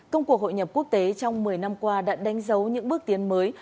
công cuộc hội nhập quốc tế trong một mươi năm qua đã đánh dấu những bước tiến mới